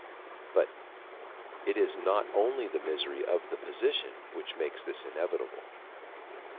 But it is not only the misery of the position which makes this inevitable.